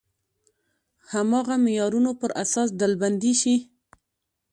هماغه معیارونو پر اساس ډلبندي شي.